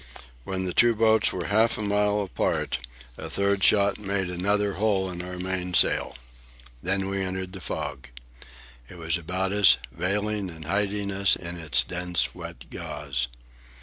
When the two vessels were half a mile apart, a third shot made another hole in our mainsail. Then we entered the fog. It was about us, veiling and hiding us in its dense wet gauze.